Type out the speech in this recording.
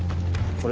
これ。